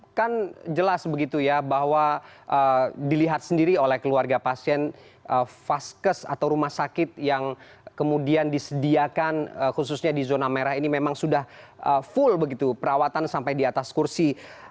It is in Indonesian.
oke kan jelas begitu ya bahwa dilihat sendiri oleh keluarga pasien vaskes atau rumah sakit yang kemudian disediakan khususnya di zona merah ini memang sudah full begitu perawatan sampai di atas kursi